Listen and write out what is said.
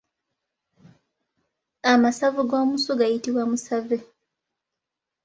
Amasavu g'omusu gayitibwa musave.